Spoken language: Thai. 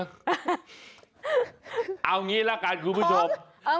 เอาอย่างนี้ละกันคุณผู้ชม